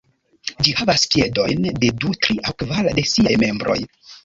Ĝi havas piedojn de du, tri aŭ kvar de siaj membroj.